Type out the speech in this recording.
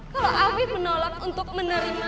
kalau abi menolak untuk menerima